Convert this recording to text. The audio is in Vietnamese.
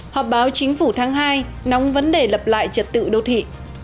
họp báo chính phủ tháng hai nóng vấn đề lập lại trật tự đô thị